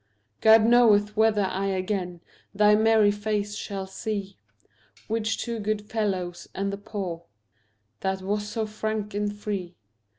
God knoweth whether I again Thy merry face shall see, Which to good fellows and the poor That was so frank and free.